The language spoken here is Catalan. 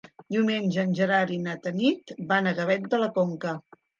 Diumenge en Gerard i na Tanit van a Gavet de la Conca.